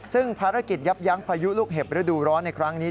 ซึ่งภารกิจยับยั้งพายุลูกเห็บฤดูร้อนในครั้งนี้